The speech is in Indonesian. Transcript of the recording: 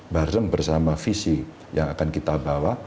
bareng bersama visi yang akan kita bawa